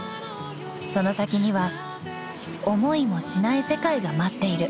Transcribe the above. その先には思いもしない世界が待っている］